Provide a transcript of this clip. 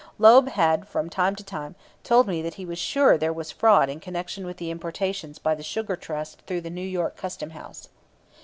Loeb had from time to time told me that he was sure that there was fraud in connection with the importations by the Sugar Trust through the New York Custom House.